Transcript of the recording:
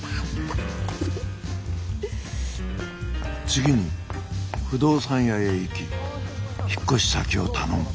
次に不動産屋へ行き引っ越し先を頼む。